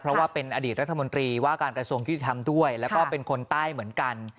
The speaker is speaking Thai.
เพราะว่าเป็นอดีตรัฐมนตรีว่าการกระทรวงยุติธรรมด้วยแล้วก็เป็นคนใต้เหมือนกัน